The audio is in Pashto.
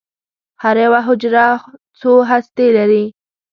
هره یوه حجره څو هستې لري.